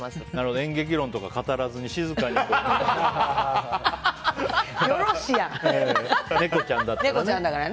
演劇論とか語らずに、静かにね。